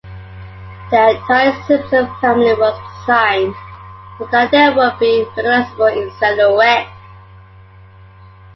The entire Simpson family was designed so that they would be recognizable in silhouette.